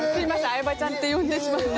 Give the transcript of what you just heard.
「相葉ちゃん」って呼んでしまって。